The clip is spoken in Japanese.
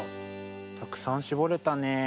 たくさんしぼれたね。